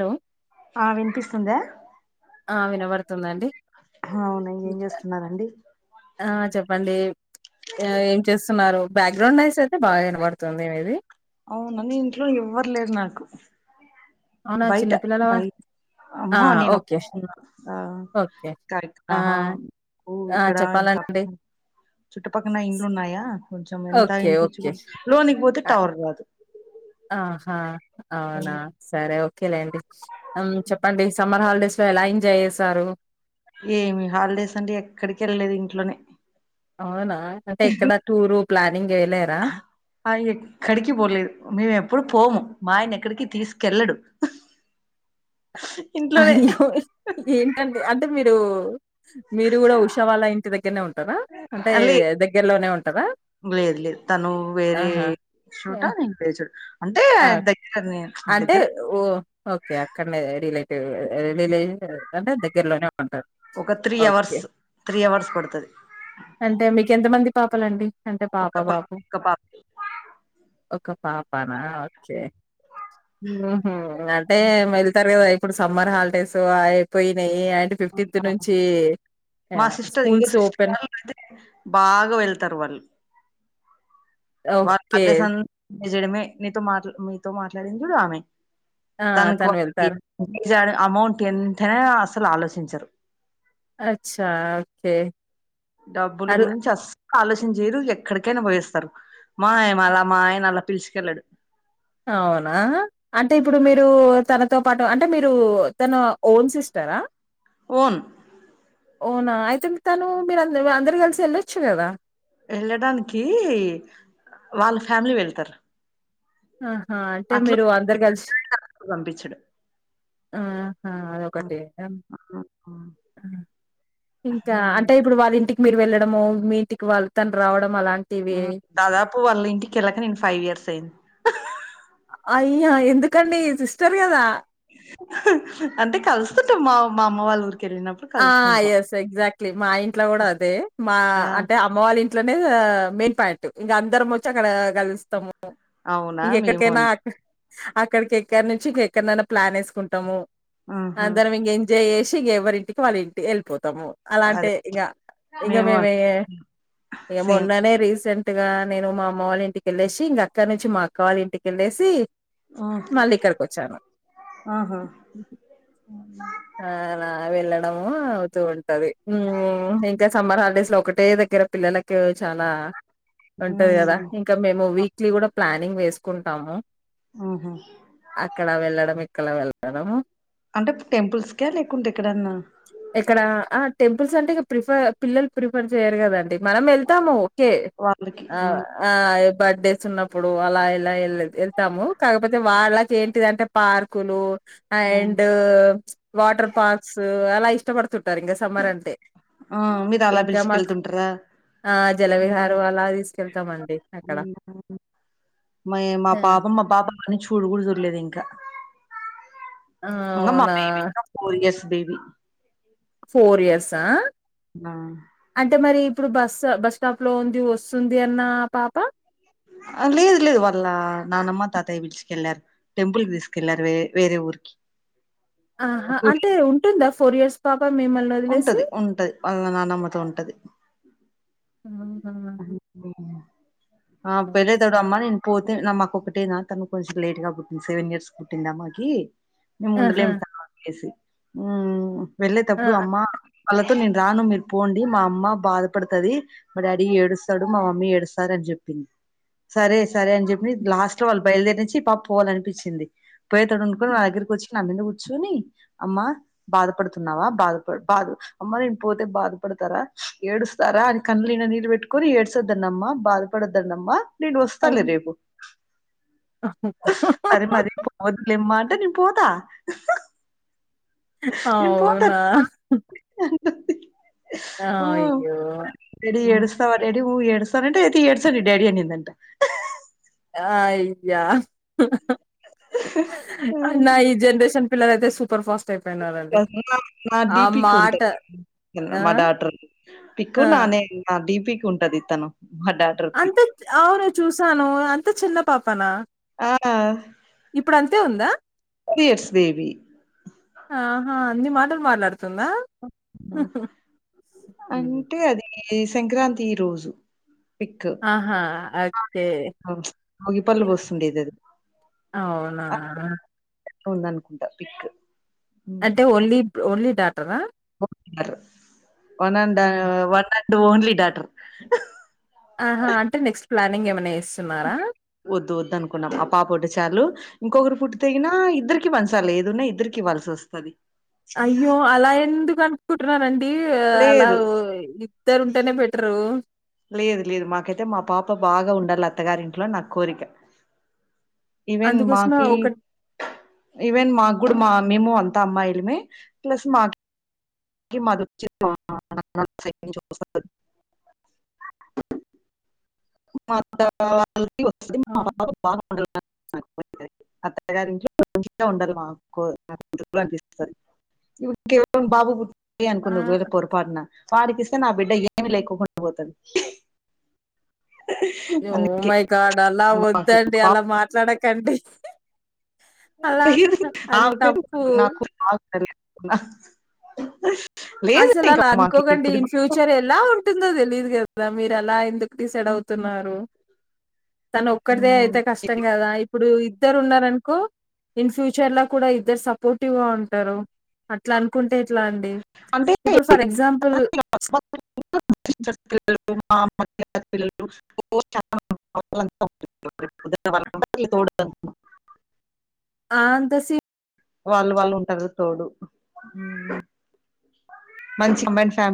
Hello ఆ వినిపిస్తుందా ఆ వినవడ్ అవునా ఏం చేస్తున్నారండి ఆ చెప్పండి ఏం చేస్తున్నారు బ్యాక్గ్రౌండ్ నైస్ బాగా వినబడుతుంది మీది అవునా నేను ఇంట్లో ఎవ్వరు లేరు నాకు అవునా బయట చిన్నపిల్లల వా- బయ్ ఆ అహా నేను ఒక్క ఓకే ఉన్న ఆ ఓకే కరె ఆ అహా ఉ ఆ ఇక్కడ ఇం చెప్పాలండి చుట్టుపక్కన ఇండ్లు ఉన్నాయా కొంచెం ఎంత ఓకే ఇనిపించు ఓకే లోనికి పోతే ఆ, టవర్ రాదు ఆహా అవునా ఉమ్. సరే ఓకేలేండి చెప్పండి సమ్మర్ హాలిడేస్ ఎలా ఎంజాయ్ చేసారు ఏమి హాలిడేస్ అండి ఎక్కడికి ఎళ్ళలేదు ఇంట్లోనే అవునా అంటే ఎక్కడ టూరు ప్లానింగ్ చేయలేరా అయి ఎక్కడికి పోలేదు మేము ఎప్పుడు పోము మా ఆయన ఎక్కడికి తీసుకెళ్ళడు ఇంట్లోనే అయ్యో ఏంటండి అంటే మీరు మీరు కూడా ఉష వాళ్ల ఇంటి దగ్గరనే ఉం ఉంటరా అంటే అలే దగ్గరలోనే ఉం లేదు లేదు తను వేరే ఆహా చోట ఆ! నేను వేరే చోట అంటే ఆ దగ్గర నే- అంటే దగ్గర ఓ ఓకే అక్కనే రిలేట్ రిలయన్స్ అంటే దగ్గర్లోనే ఉంటరు ఒక three okay hours three hours పడుతది అంటే మీకు ఎంతమంది పాపలండి అంటే పాప ఒక బాబు ఒక పాప ఒక పాప ఆ ఓకే ఉమ్ హు అంటే మిరితారో ఇప్పుడు సమ్మర్ హాలిడేస్ అయిపోయినయి అండ్ ఫిఫ్టీన్ నుంచి మా సిస్టర్ ఇంకో స్కూల్స్ సిస్టర్ ఓపెన్ వాళ్ళు అయితే బాగా వెళ్తారు వాళ్ళు వాళ్లు ఓకే. హాలిడేస్ అం ఎంజాయ్ చేయడమే నీతో మాట్లా మీతో మాట్లాడింది చూడు ఆమె ఆ! తనకు తను [inaudible] ఏం వెళ్తారు. చేయాల అమౌంట్ ఎంతైనా అసలు ఆలోచించరు అచ్చా ఓకే డబ్బులు అలా గురించి అస్స ఆలోచిన చేయరు ఎక్కడికైనా పోయిస్తారు మా మల్ల మా ఆయన అలా పిలుసుకెళ్లడు అవునా అంటే ఇప్పుడు మీరు తనతో పాటు అంటే మీరు తన ఓన్ సిస్ టరా ఓన్ ఓనా అయితే తను మీరు అంద అందరు కలిసి ఎళ్ళొచ్చు కదా వెళ్ళడానికి వాళ్ళ ఫ్యామిలీ వెళ్తారు ఆహా అంటే అట్లా మీరు అందరు కలిసి పంపించడు ఆ అదొకటె ఉమ్. ఇంకా ఉమ్. అంటే ఇప్పుడు వాళ్ళ ఇంటికి మీరు వెళ్ళడమో మీ ఇంటికి వాళ్ళ తను రావడం అలాంటి దాదాపు వాళ్ళ ఇంటికెళ్ళక నేను ఫైవ్ ఇయర్స్ అయింది అయ్యా ఎందుకండి సిస్టర్ కదా అంటే కలుస్తుంటాం మా మా అమ్మ వాళ్ళ వెళ్ళినప్పుడు ఆ కలుస్తుంటాం ఎస్ ఎగ్జాక్ట్లీ మా ఇంట్లో కూడా అదే మా ఆ అంటే అమ్మ వాళ్ళ ఇట్లనే మెయిన్ పాయింట్ ఇంకా అందరం వచ్చి అక్కడ కలుస్తాము అవునా ఇంగా మేము ఎక్కడికేనా అంతే అక్కడికి ఎక్కడి నుంచి ఇంకెక్కడికైనా ప్లాన్ వేసుకుంటాము ఆహా అందరం ఇంక ఎంజాయ్ చేసి ఎవరింటికి వాళ్ళు ఏల్ అలాంటే అదే ఇంకా ఇంకా మేము సేమ్ మొన్ననే రీసెంట్ డైరెక్ట్ గా నేను మా అమ్మ వాళ్ళ ఇంటికిళ్ళేసి ఇంక అక్కడ నుంచి మా అక్క వాళ్ళ ఇంటికెళ్ళేసి మళ్ళీ ఇక్కడిక వచ్చాను ఆహా ఆ అలా వెళ్ళడము అవుతూ ఉంటది ఇంకా సమ్మర్ హాలిడేస్ లో ఒకటే దగ్గర పిల్లలకు చాలా ఉంటది కదా ఉమ్. ఇంకా మేము వీక్లీ కూడా ప్లానింగ్ చేసుకుంటాము ఆహా అక్కడ వెళ్ళడం ఇక్కడ వెళ్ళడం అంటే టెంపుల్స్ కా లేకుంటే ఎక్కడన్నా ఎక్కడ ఆ టెంపుల్స్ అంటే ఇ ప్రిఫర్ పిల్లలు ప్రిఫర్ చెయ్యరు కదండి మనం వెళ్తాము ఓకే ఆ ఆ బర్త్డేస్ ఉన్నప్పుడు అలా ఇలా వెళ్తాము కాకపోతే వాళ్ళకి ఏంటిదింటే పార్కులు ఉమ్. అండ్ వాటర్ పార్క్స్ అలా ఇష్టపడుతుంటారు ఇంకా సమ్మర్ అంటే ఆ, మీరు అలా ఇంకా మాకు పిలుచుకెళ్తుంటారా ఆ ఉమ్. జలవిహారం అలా తీసు కెళ్తా మండి అక్కడ మ మా ఆ! పాపం మా పాప అవి చూడును కూడా చూడలేదు ఇంకా ఇంకా మా అవునా baby four years baby four years హ ఆ అంటే మరి ఇప్పుడు బస్ బస్ స్టాప్ లో ఉంది వస్తుంది అన్న పాప లేదు లేదు వాళ్ళ నానమ్మ తాతయ్య పిలిచుకెళ్లారు టెంపుల్ కి తీసుకెళ్లారు వేరే ఊరికి ఆహా అంటే ఉంటుందా ఫోర్ ఇయర్స్ పాప మిమ్మల్ని వదిలేసి ఉంటది ఉంటది వాళ్ల నానమ్మతో ఉంటది ఆ పేలే త అమ్మమా న పో [unintelligible] నా మాకు ఒకటే నా తను కొంచెం లేట్ గా పుట్టింది సెవెన్ ఇయర్స్ పుట్టింది అమ్మాకి మేము ఆహా ఉండలేము తనను వదిలేసి ఉమ్ వెళ్ళేటప్పుడు ఆహా అమ్మ నేను రాను మీరు పోండి మా అమ్మ బాధపడుతుంది మా డాడీ ఏడుస్తాడు మా మమ్మీ ఏడుస్తాది అని చెప్పింది సరే సరే అని చెప్పి లాస్ట్ లో వాళ్ళు బయలుదేరి నుంచి పాప పోవాలనిపించింది పోయేడుకుని నా దర్కుచ్చి నా మీద కూర్చుని అమ్మా బాధపడుతున్నావా బాధపా బాధ అమ్మ నేను పోతే బాధపడు తారా ఏడ్స్తారా అని కళ్ళనిండా నీరు పెట్టుకుని ఏడ్సద్దన్నమ్మ బాధ పడద్దనమ్మ నేను వస్తాలే అవును రేపు సరే మరి పోవద్లేమ్మా అంటే నేను పోతా నేను పోతాను అవునా ఉమ్ అయ్యో! రెడి హ్మ్. ఎడుస్తావ రెడి అవు నువ్వు ఏడుస్తా నంటే అయితే ఏడ్సోని డాడి అనిందంట ఆ అయ్య నా ఈ జనరేషన్ పిల్లలు అయితే సూపర్ ఫస్ట్ అయిపోయిన్నారు. నా డీపికి ఉంటయి ఆ! మా డాటర్ పిక్ ఆ! నానే నా డీపికి కు ఉంటాది తను మా డాటర్ అంత పిక్. అవును చూసాను అంత చిన్న పాపనా ఆ! ఇప్పుడు అంతే ఉందా తీ ఇయర్స్ బేబి ఎంది మాటలు మాట్లాడు త హ్మ్. అంటే అది ఈ సంక్రాంతి రోజు పిక్ ఆహా! ఓకే. భోగి పళ్ళు పోస్తుండేది అది అవునా వుంది అనుకుంటా పిక్ అంటే ఓన్లీ ఓన్లీ డాటరా one and one and only daughter ఆహా అంటే నెక్స్ట్ ప్లానింగ్ ఏమన్నా వద్దు వద్ అనుకున్నాం ఆ పాప ఒకటి చాలు ఇంకొకరు పుట్టి తేగినా ఇద్దరికి పంచాలి ఏదున్నా ఇద్దరికి ఇవ్వాల్సి వస్తది అయ్యో అలా ఎందుకు అనుకుంటున్నారు అండి డి అలా లేదు ఇద్దరు ఉంటేనే బెటరు లేదు లేదు మాకైతే మా పాప బాగా ఉండాలి అత్తగారింట్లో నా కోరిక ఇవెన్ అందుకోసమే మాకి ఒకట్ ఇవెన్ మాకి ఇప్పుడు మా అన్న ఏమో అంత అమ్మాయిలమే ప్లస్ మాకి కి మాది వచ్చింది. మా అన్న వాళ్ళ స్రెడ్ నుంచి వస్తాది మా అత్త వళ్ళది వస్తాది ఆ! మా బావా బాగా ఉండోలు అత్తగారి ఇంట్లో మాంచిగా ఉండాలి మాకు అనిపిస్తుంది ఇప్పుడు కేవలం బాబు పుట్టిండు ఆ! అనుకోండి ఒకవేళ పొరపాటునా వడికిస్తే నా బిడ్డకి ఏమి లేకుండా పోతది ఓ అందుకే మై గార్డ్ అలా మాకు వద్దండి పాప అలా మాట్లాడకండి అలా అది క తప్పు. నాకు నాకు అది నాకు లేదు అసల ఇంకా అలా మాకు అనుకోకండి ఇప్పుడు ఇన్ ఫ్యూచర్ ఎలా ఉంటుందో తెలియదు కదా మీరు అలా ఎందుకు డిసైడ్ అవుతున్నారు తను ఒక్కడి దే అయితే కష్టం కదా ఇప్పుడు ఇద్దరు ఉన్నారనుకో ఇన్ ఫ్యూచర్ లో కూడా ఇద్దరు సపోర్టివ్ గా ఉంటారు అట్లా అనుకుంటే ఎట్లా అండిడి అంటే ఇప్పుడు ఫర్ ఎగ్సాంపుల్ మా సిస్టర్స్ పిల్లలు మా పిల్లలు చాల వాళ్ళ మమ్మి తోడుగ ఉంటోది ఆ ఆంత సిరి వాళ్ళు వాళ్ళు ఉంటారు గా తోడు మంచిగా మై ఫ్యామిలి